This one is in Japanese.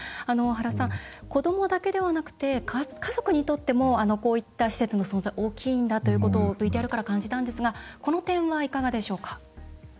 原さん、子どもだけではなくて家族にとってもこういった施設の存在は大きいんだということをＶＴＲから感じたんですがこの点は、いかがでしょうか？